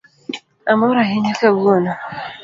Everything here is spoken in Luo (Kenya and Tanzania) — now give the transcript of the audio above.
Amor ahinya kawuono